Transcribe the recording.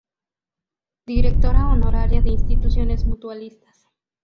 Directora honoraria de Instituciones mutualistas.